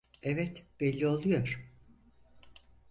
Evet, belli oluyor.